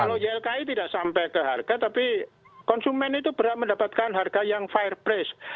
kalau ylki tidak sampai ke harga tapi konsumen itu berhak mendapatkan harga yang fire press